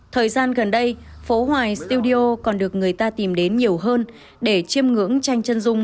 thời gian gần đây phố hoài studio còn được người ta tìm đến nhiều hơn để chiêm ngưỡng tranh chân dung